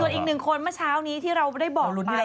อีกหนึ่งคนเมื่อเช้านี้ที่เราได้บอก